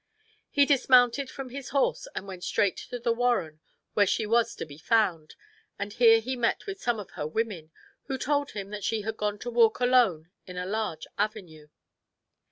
He dismounted from his horse and went straight to the warren where she was to be found, and here he met with some of her women, who told him that she had gone to walk alone in a large avenue.